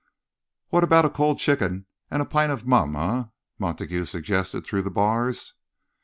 "What about a cold chicken and a pint of Mumm, eh?" Montague suggested through the bars.